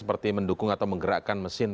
seperti mendukung atau menggerakkan mesin